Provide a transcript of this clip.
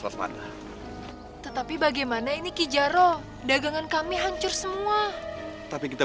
waspada tetapi bagaimana ini kijaro dagangan kami hancur semua tapi kita